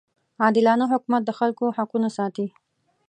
عادلانه حکومت د خلکو حقونه ساتي.